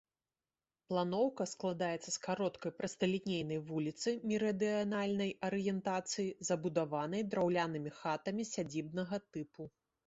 Планоўка складаецца з кароткай прасталінейнай вуліцы мерыдыянальнай арыентацыі, забудаванай драўлянымі хатамі сядзібнага тыпу.